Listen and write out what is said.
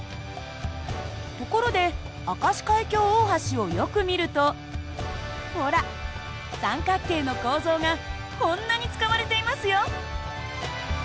ところで明石海峡大橋をよく見るとほら三角形の構造がこんなに使われていますよ。